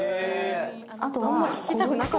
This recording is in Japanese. あとは。